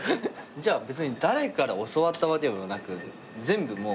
じゃあ別に誰から教わったわけではなく全部もう。